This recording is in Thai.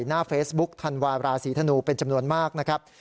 หน้าเฟซบุ๊กธันวาราศีธนูเป็นจำนวนมากนะครับ